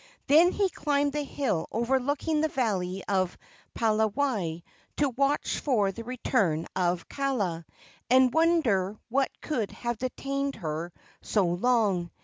Then he climbed the hill overlooking the valley of Palawai to watch for the return of Kaala, and wonder what could have detained her so long.